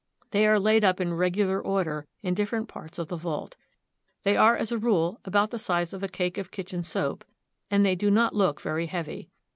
They are laid up in regular order in different parts of the vault. They are, as a rule, about the size of a cake of kitchen soap, and they do not look very heavy.